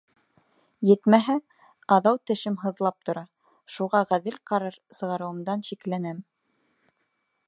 Етмәһә, аҙау тешем һыҙлап тора, шуға ғәҙел ҡарар сығарыуымдан шикләнәм.